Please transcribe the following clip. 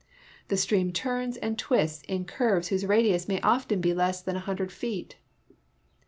The stream turns and twists in curves whose radius may often be less than a hundred feet.